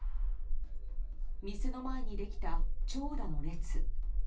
店の前に出来た長蛇の列。